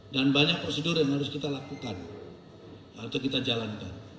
dan banyak prosedur yang harus kita lakukan atau kita jalankan